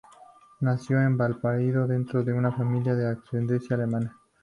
Nació en Valparaíso, dentro de una familia de ascendencia alemana.